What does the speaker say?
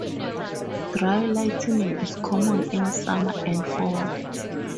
Dry lightning is common in summer and fall.